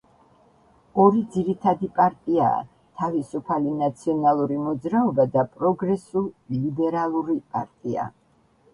ორი ძირითადი პარტიაა თავისუფალი ნაციონალური მოძრაობა და პროგრესულ ლიბერალური პარტია.